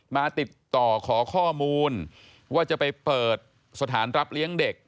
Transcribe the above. มาติดต่อขอข้อมูลว่าจะไปเปิดสถานรับเลี้ยงเด็ก